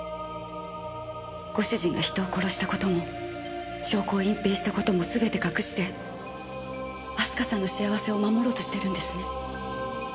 ご主人が人を殺した事も証拠を隠蔽した事もすべて隠して明日香さんの幸せを守ろうとしてるんですね。